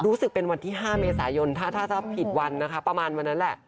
รู้สึกเป็นวันที่๕เมษายนถ้าผิดวันนะคะประมาณวันนั้นแหละ